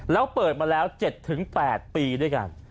แล้วเปิดมาแล้ว๗๘ปีด้วยกัน